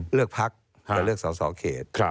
เลือกพักจะเลือกสอสอเขต